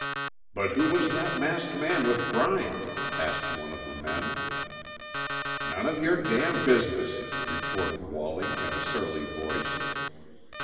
"But who was that masked man with Bryant?" asked one of the men. "None of your damn business," retorted Wallie in a surly voice.